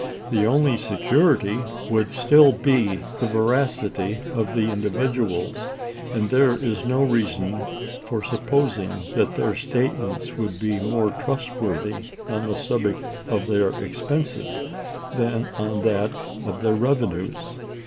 The only security would still be the veracity of individuals, and there is no reason for supposing that their statements would be more trustworthy on the subject of their expenses than on that of their revenues.